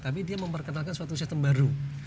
tapi dia memperkenalkan suatu sistem baru